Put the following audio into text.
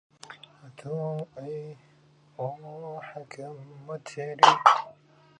"The attempt failed completely", notes historian Hans Fredrik Dahl.